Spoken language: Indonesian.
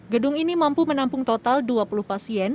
gedung ini mampu menampung total dua puluh pasien